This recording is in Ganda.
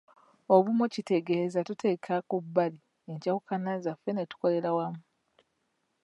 Obumu kitegeeza tuteeka ku bbali enjawukana zaffe ne tukolera wamu.